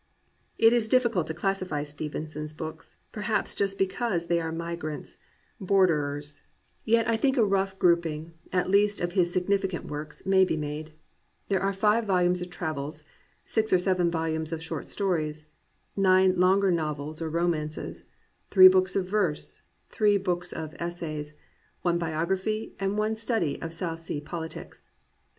It is diflBcult to classify Stevenson's books, per haps just because they are migrants, borderers. 365 COMPANIONABLE BOOKS Yet I think a rough grouping, at least of his signif icant works, may be made. There are five volumes of travels; six or seven volumes of short stories; nine longer novels or romances; three books of verse; three books of essays; one biography; and one study of South Sea politics.